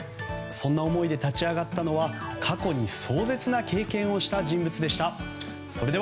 そんな思いで立ち上がったのは過去に壮絶な経験をした人物でした。